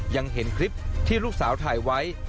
ยังเห็นคลิปที่ลูกสาวถ่ายไว้